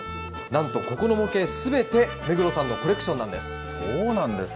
なんとここの模型、すべて目黒さんのコレクションなんです。